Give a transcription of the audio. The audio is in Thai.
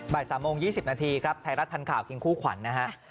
๓โมง๒๐นาทีครับไทยรัฐทันข่าวคิงคู่ขวัญนะฮะ